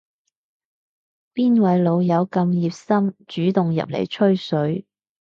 邊位老友咁熱心主動入嚟吹水